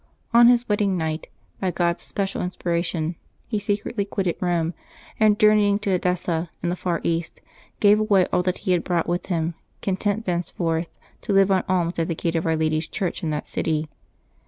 On his wedding night, by God's special inspira tion, he secretly quitted Eome, and journeying to Edessa, in the far East, gave away all that he had brought with him, content thenceforth to live on alms at the gate of Our Lady's church in that city.